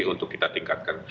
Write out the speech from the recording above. untuk kita tingkatkan